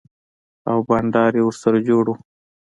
او بنډار يې ورسره جوړ و.